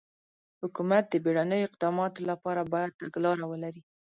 حکومت د بېړنیو اقداماتو لپاره باید تګلاره ولري.